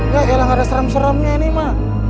gak gelang ada serem seremnya ini ma